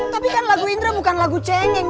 tapi kan lagu indra bukan lagu cengeng